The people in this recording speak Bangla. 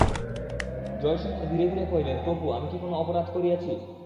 জয়সিংহ ধীরে ধীরে কহিলেন, প্রভু, আমি কি কোনো অপরাধ করিয়াছি?